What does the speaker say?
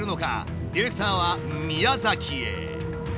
ディレクターは宮崎へ。